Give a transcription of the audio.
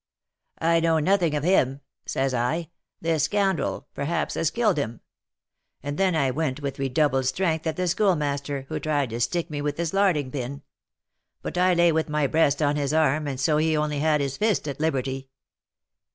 "'I know nothing of him,' says I; 'this scoundrel, perhaps, has killed him.' And then I went with redoubled strength at the Schoolmaster, who tried to stick me with his larding pin; but I lay with my breast on his arm, and so he only had his fist at liberty.